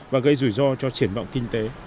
và gây rủi ro cho triển vọng kinh tế